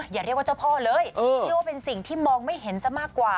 อย่าเรียกว่าเจ้าพ่อเลยเชื่อว่าเป็นสิ่งที่มองไม่เห็นซะมากกว่า